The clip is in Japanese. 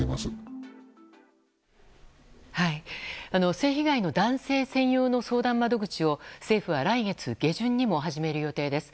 性被害の男性専用の相談窓口を政府は来月下旬にも始める予定です。